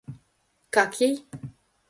Как ей?